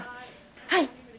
はい。